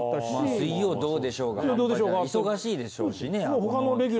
『水曜どうでしょう』が忙しいでしょうしね。